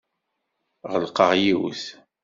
Ɣelqeɣ yiwet.